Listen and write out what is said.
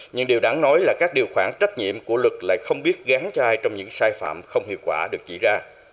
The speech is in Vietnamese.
nhưng điều đáng nói là các điều khoản trách nhiệm của luật lại không biết gắn cho ai trong những sai phạm không hiệu quả được chỉ ra